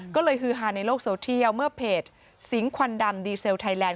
ก็เลยฮือฮาในโลกโซเทียลเมื่อเพจสิงควันดำดีเซลไทยแลนด